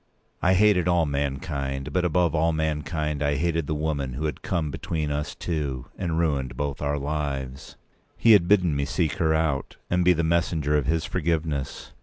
I hated all mankind; but above all mankind I hated the woman who had come between us two, and ruined both our lives. He had bidden me seek her out, and be the messenger of his forgiveness.